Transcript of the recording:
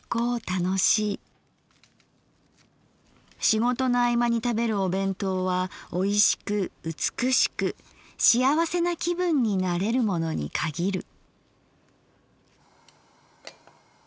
仕事の合間に食べるお弁当は美味しく美しくしあわせな気分になれるものに限る」。